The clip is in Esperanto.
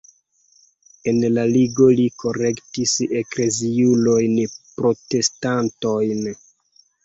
En la ligo li kolektis ekleziulojn-protestantojn.